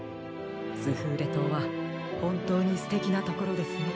スフーレ島はほんとうにすてきなところですね。